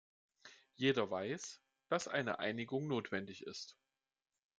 Jeder weiß, dass eine Einigung notwendig ist.